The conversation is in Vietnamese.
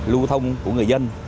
lưu thông của người dân